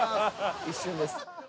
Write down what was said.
一瞬です。